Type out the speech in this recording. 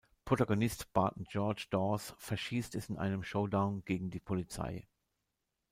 Protagonist Barton George Dawes verschießt es in einem Showdown gegen die Polizei.